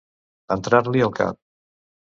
Entrar-l'hi al cap.